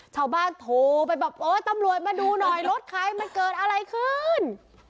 ชาวบ้านโทรไปแบบโอ๊ยตำรวจมาดูหน่อยรถใครมันเกิดอะไรขึ้น